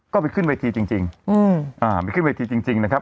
ก็ไปขึ้นเวทีจริงจริงอืมอ่าไปขึ้นเวทีจริงจริงนะครับ